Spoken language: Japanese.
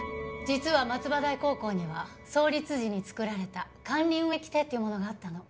実は松葉台高校には創立時に作られた管理運営規定というものがあったの。